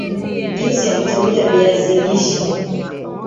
Jinsi ya kutumia viazi lishe